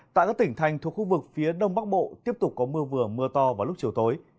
tại các tỉnh thành thuộc khu vực phía đông bắc bộ tiếp tục có mưa vừa mưa to vào lúc chiều tối